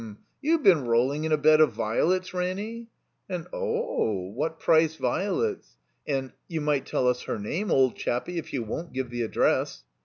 You been rolling in a bed of violets, Ranny?'* And "Oo ooh, what price violets?" And "You might tell us her name, old chappie, if you won't give the address."